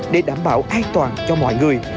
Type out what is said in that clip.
để đảm bảo an toàn cho mọi người